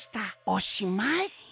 おしまい！」。